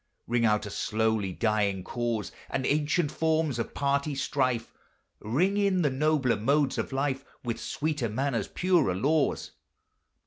Ring out a slowly dying cause, And ancient forms of party strife; Ring in the nobler modes of life, With sweeter manners, purer laws.